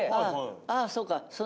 ああそうか。